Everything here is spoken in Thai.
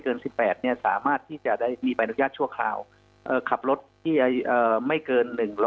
เกิน๑๘เนี่ยสามารถที่จะได้มีบรรยาชชั่วคราวขับรถที่ไม่เกิน